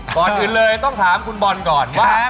ก่อนอื่นเลยต้องถามคุณบอลก่อนว่า